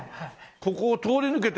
ここを通り抜けて。